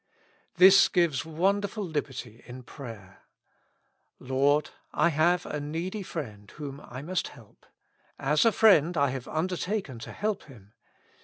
This gives wonderful liberty in prayer. Lord ! I have a needy friend whom I must help. As a friend I have undertaken to help him.